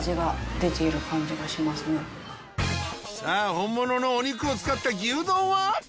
本物のお肉を使った牛丼は。